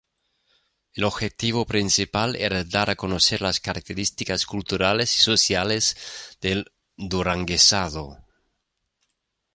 El objetivo principal era dar a conocer las características culturales y sociales del duranguesado.